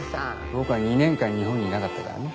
僕は２年間日本にいなかったからね。